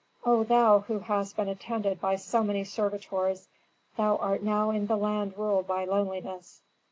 _ "O thou who hast been attended by so many servitors, thou art now in the land ruled by loneliness.